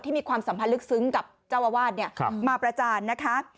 ที่มีความสัมพันธ์ลึกซึ้งกับเจ้าอาวาสเนี่ยครับมาประจานนะคะ